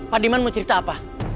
pak diman mau cerita apa